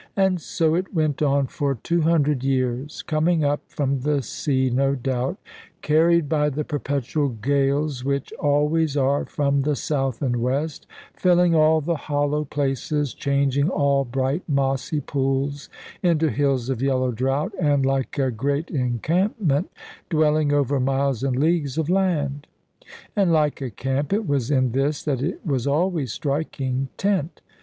And so it went on for two hundred years, coming up from the sea, no doubt, carried by the perpetual gales, which always are from the south and west filling all the hollow places, changing all bright mossy pools into hills of yellow drought, and, like a great encampment, dwelling over miles and leagues of land. And like a camp it was in this, that it was always striking tent.